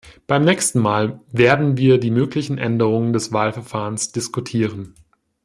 Beim nächsten Mal werden wir die möglichen Änderungen des Wahlverfahrens diskutieren.